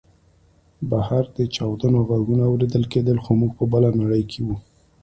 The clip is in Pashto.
بهر د چاودنو غږونه اورېدل کېدل خو موږ په بله نړۍ کې وو